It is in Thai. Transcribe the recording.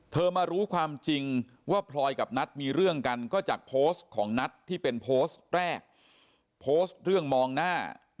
มารู้ความจริงว่าพลอยกับนัทมีเรื่องกันก็จากโพสต์ของนัทที่เป็นโพสต์แรกโพสต์เรื่องมองหน้า